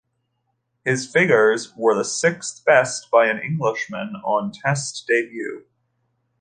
His figures were the sixth best by an Englishman on Test debut.